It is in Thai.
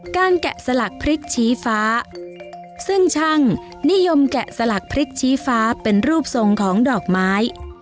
แกะสลักพริกชี้ฟ้าซึ่งช่างนิยมแกะสลักพริกชี้ฟ้าเป็นรูปทรงของดอกไม้